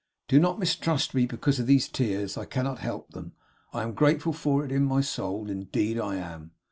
Do not mistrust me because of these tears; I cannot help them. I am grateful for it, in my soul. Indeed I am!